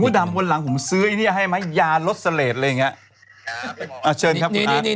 หูดำวนหลังผมซื้ออย่างนี้ให้มั้ยยารสเลสอะไรอย่างเงี้ย